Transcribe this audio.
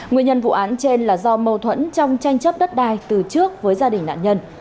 nguyên nhân vụ án trên là do mâu thuẫn trong tranh chấp đất đai từ trước với gia đình nạn nhân